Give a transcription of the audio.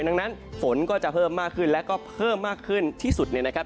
ดังนั้นฝนก็จะเพิ่มมากขึ้นแล้วก็เพิ่มมากขึ้นที่สุดเนี่ยนะครับ